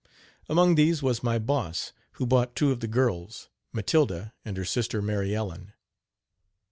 Among these was my Boss, who bought two of the girls, Matilda and her sister Mary Ellen.